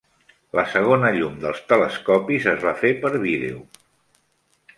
La segona llum dels telescopis es va fer per vídeo.